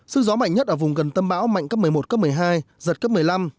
sức gió mạnh nhất ở vùng gần tâm bão mạnh cấp một mươi một cấp một mươi hai giật cấp một mươi năm